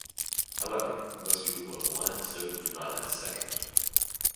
However, most people who have one episode do not have a second.